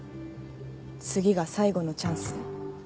次が最後のチャンス。